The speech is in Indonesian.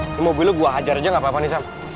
ini mobilnya gua hajar aja nggak apa apa nisa